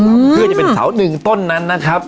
เพื่อจะเป็นเสาหนึ่งต้นนั้นนะครับ